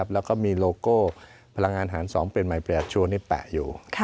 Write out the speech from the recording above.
แล้วก็มีโลโก้พลังงานหารสองเป็นใหม่เปลี่ยนชัวร์นี้แปะอยู่